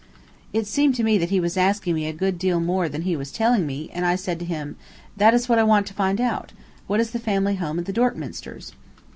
It seemed to me that he was asking me a good deal more than he was telling me, and I said to him: "That is what I want to find out. What is the family home of the Dorkminsters?"